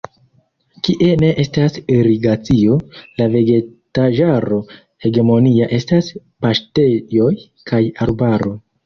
Kie ne estas irigacio, la vegetaĵaro hegemonia estas paŝtejoj kaj arbaro.